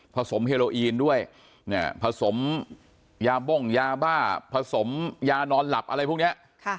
สมเฮโลอีนด้วยผสมยาบ้งยาบ้าผสมยานอนหลับอะไรพวกนี้